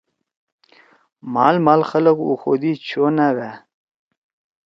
مھال مھال خلگ اُخودی چھونأ بأ۔